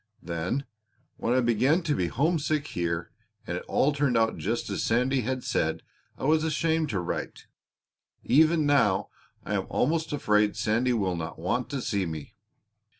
Then when I began to be homesick here and it all turned out just as Sandy had said I was ashamed to write. Even now I am almost afraid Sandy will not want to see me."